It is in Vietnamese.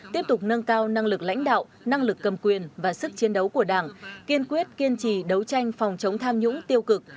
tiếp tục nâng cao năng lực lãnh đạo năng lực cầm quyền và sức chiến đấu của đảng kiên quyết kiên trì đấu tranh phòng chống tham nhũng tiêu cực